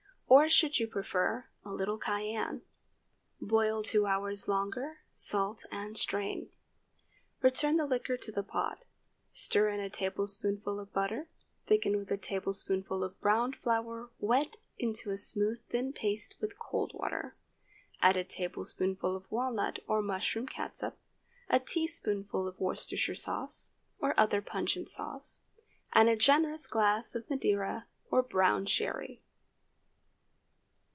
Or, should you prefer, a little cayenne. Boil two hours longer, salt, and strain. Return the liquor to the pot; stir in a tablespoonful of butter, thicken with a tablespoonful of browned flour wet into a smooth thin paste with cold water; add a tablespoonful of walnut or mushroom catsup, a teaspoonful of Worcestershire or other pungent sauce, and a generous glass of Madeira or brown Sherry.